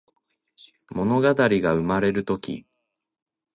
ものがたりがうまれるとき